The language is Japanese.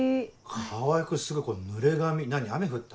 川合君すごい濡れ髪何雨降った？